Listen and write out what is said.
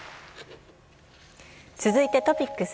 続いてトピックス。